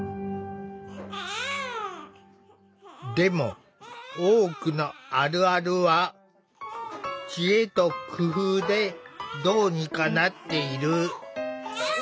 でも多くのあるあるは知恵と工夫でどうにかなっている。